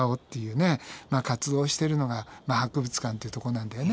活動をしてるのが博物館っていうとこなんだよね。